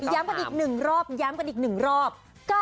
ย้ำกันอีกหนึ่งรอบย้ำกันอีกหนึ่งรอบ